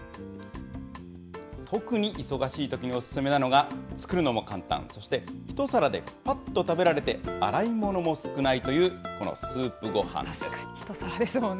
特に忙しいときにお勧めなのが、作るのも簡単、そして一皿でぱっと食べられて洗い物も少ないというこのスープご確かに、一皿ですもんね。